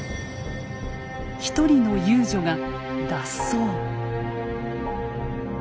一人の遊女が脱走。